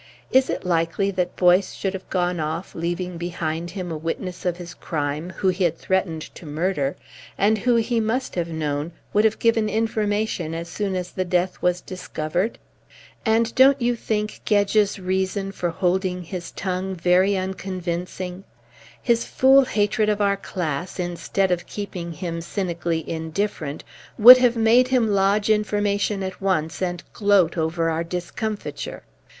Is it likely that Boyce should have gone off leaving behind him a witness of his crime whom he had threatened to murder, and who he must have known would have given information as soon as the death was discovered? And don't you think Gedge's reason for holding his tongue very unconvincing? His fool hatred of our class, instead of keeping him cynically indifferent, would have made him lodge information at once and gloat over our discomfiture."